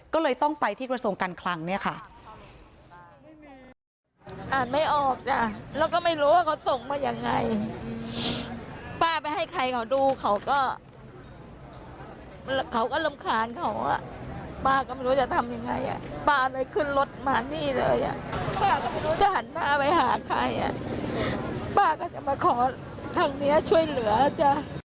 ไม่ออกจ้ะแล้วก็ไม่รู้ว่าเขาส่งมายังไงป้าไปให้ใครเขาดูเขาก็เขาก็รำคาญเขาอ่ะป้าก็ไม่รู้จะทำยังไงอ่ะป้าเลยขึ้นรถมานี่เลยอ่ะป้าก็ไม่รู้จะหันหน้าไปหาใครอ่ะป้าก็จะมาขอทางเนี้ยช่วยเหลืออ่ะจ้ะ